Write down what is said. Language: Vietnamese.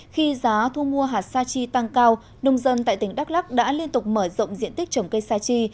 khi giá thu mua hạt sa chi tăng cao nông dân tại tỉnh đắk lắc đã liên tục mở rộng diện tích trồng cây sa chi